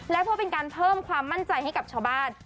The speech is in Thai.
และเพื่อเป็นการเพิ่มความมั่นใจให้กับชาวบ้าน